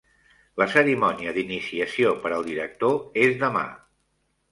La cerimònia d'iniciació per al director és demà.